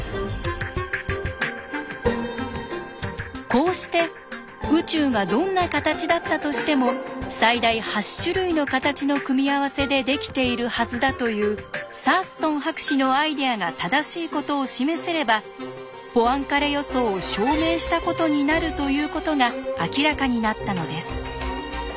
こうして「宇宙がどんな形だったとしても最大８種類の形の組み合わせでできているはずだ」というサーストン博士のアイデアが正しいことを示せれば「ポアンカレ予想を証明したことになる」ということが明らかになったのです。